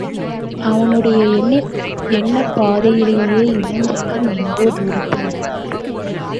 அவனுடைய எண்ணப் பாதையிலே இளஞ்சிங்கம் எங்கோ தூரத்தில் இருந்தார்.